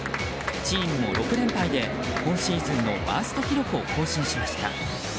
チームも６連敗で今シーズンのワースト記録を更新しました。